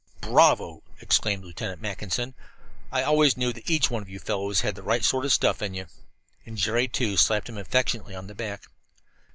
"Bravo!" exclaimed Lieutenant Mackinson, "I always knew that each one of you fellows had the right sort of stuff in you." And Jerry, too, slapped him affectionately on the back.